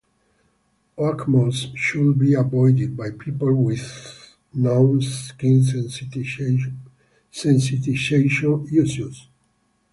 Oakmoss should be avoided by people with known skin sensitization issues.